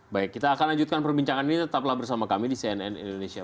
baik kita akan lanjutkan perbincangan ini tetaplah bersama kami di cnn indonesia